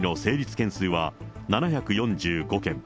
件数は７４５件。